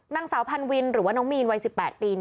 นางสาวพันวินหรือว่าน้องมีนวัย๑๘ปี